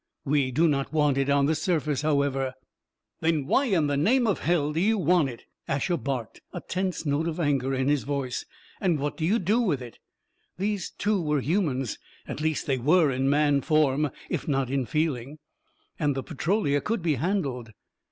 We do not want it on the surface, however." "Then why in the name of hell do you want it?" Asher barked, a tense note of anger in his voice. "And what do you do with it?" These two were humans. At least, they were in man form, if not in feeling. And the Petrolia could be handled.